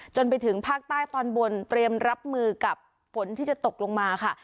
จนไปถึงภาคใต้ตอนบนเตรียมรับมือกับฝนที่จะตกลงมาค่ะ